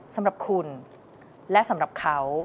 สำหรับคุณและสำหรับเขา